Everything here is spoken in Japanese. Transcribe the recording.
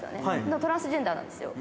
トランスジェンダーなんですよ。